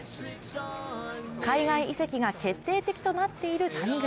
海外移籍が決定的となっている谷口。